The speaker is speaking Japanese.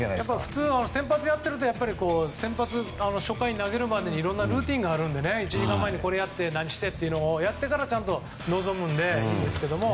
普通は先発やってると初回に投げるまでにいろいろなルーティンがあるので１時間前にこれやってというのをやってから臨むんですけど。